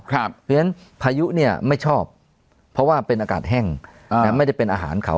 เพราะฉะนั้นพายุเนี่ยไม่ชอบเพราะว่าเป็นอากาศแห้งไม่ได้เป็นอาหารเขา